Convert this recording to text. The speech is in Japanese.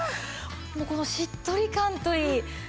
もうこのしっとり感といい。